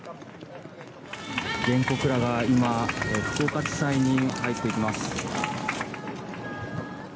原告らが福岡地裁に入っていきます。